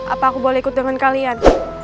apa aku boleh ikut dengan kalian